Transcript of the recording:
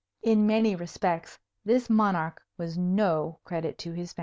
In many respects, this monarch was no credit to his family.